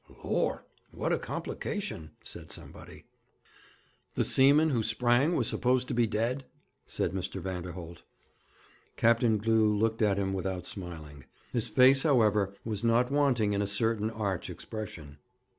'Lor', what a complication!' said somebody. 'The seaman who sprang was supposed to be dead?' said Mr. Vanderholt. Captain Glew looked at him without smiling. His face, however, was not wanting in a certain arch expression.